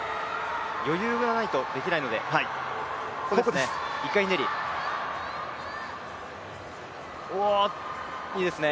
余裕がないとできないので、ここですね。